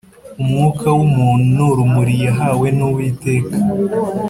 umwuka w’umuntu ni urumuri yahawe n’uwiteka,